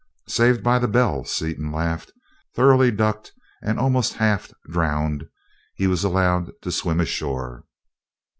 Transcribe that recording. "Saved by the bell," Seaton laughed as, thoroughly ducked and almost half drowned, he was allowed to swim ashore.